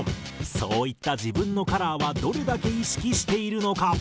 そういった自分のカラーはどれだけ意識しているのか？